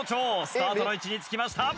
スタートの位置に着きました。